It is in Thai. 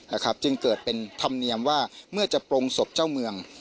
ตามนแบบนี้เกิดเป็นธรรมเนียมว่าเมื่อพร้อมกันเจ้าเมือง